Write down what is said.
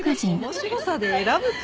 面白さで選ぶか？